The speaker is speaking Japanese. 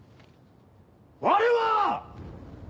われは！